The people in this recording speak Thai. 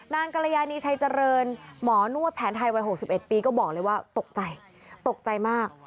กรยานีชัยเจริญหมอนวดแผนไทยวัย๖๑ปีก็บอกเลยว่าตกใจตกใจมาก